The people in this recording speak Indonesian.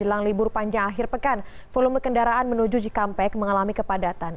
jelang libur panjang akhir pekan volume kendaraan menuju cikampek mengalami kepadatan